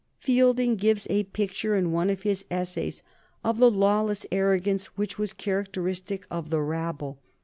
Fielding gives a picture in one of his essays of the lawless arrogance which was characteristic of the rabble.